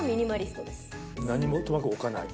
何もとにかく置かない？